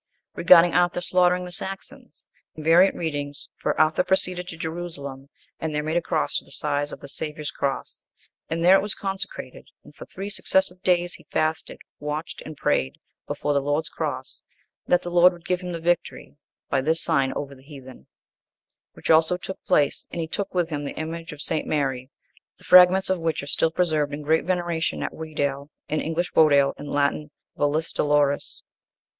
(7) V.R. For Arthur proceeded to Jerusalem, and there made a cross to the size of the Saviour's cross, and there it was consecrated, and for three successive days he fasted, watched, and prayed, before the Lord's cross, that the Lord would give him the victory, by this sign, over the heathen; which also took place, and he took with him the image of St. Mary, the fragments of which are still preserved in great veneration at Wedale, in English Wodale, in Latin Vallis doloris.